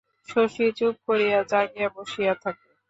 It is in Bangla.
শশী চুপ করিয়া জাগিয়া বসিয়া থাকে।